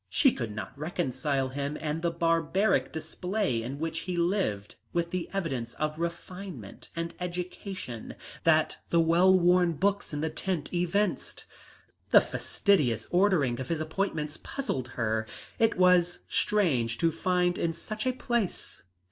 She could not reconcile him and the barbaric display in which he lived with the evidences of refinement and education that the well worn books in the tent evinced. The fastidious ordering of his appointments puzzled her; it was strange to find in such a place.